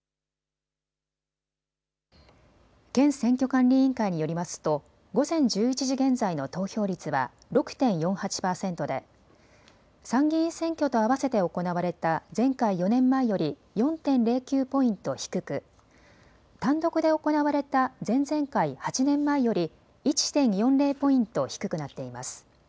県選挙管理委員会によりますと午前１１時現在の投票率は６．４８％で参議院選挙とあわせて行われた前回４年前より４．０９ポイント低く単独で行われた前々回８年前より１．４０ポイント低くなっています。